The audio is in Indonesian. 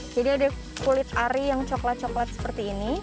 jadi ada kulit ari yang coklat coklat seperti ini